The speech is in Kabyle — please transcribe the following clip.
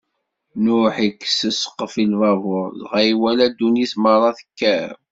Nuḥ ikkes ssqef i lbabuṛ, dɣa iwala ddunit meṛṛa tekkaw.